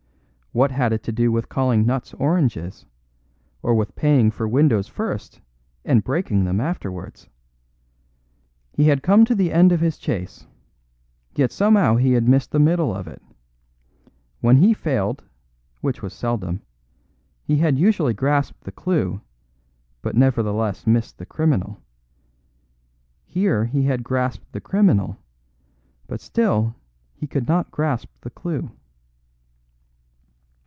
What had it to do with calling nuts oranges, or with paying for windows first and breaking them afterwards? He had come to the end of his chase; yet somehow he had missed the middle of it. When he failed (which was seldom), he had usually grasped the clue, but nevertheless missed the criminal. Here he had grasped the criminal, but still he could not grasp the clue.